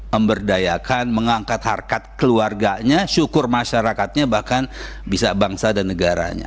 memberdayakan mengangkat harkat keluarganya syukur masyarakatnya bahkan bisa bangsa dan negaranya